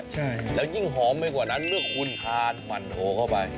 พอจิ้มน้ำจิ้มตัวนี้มันมีความหวานความหอมของตัวงานด้วย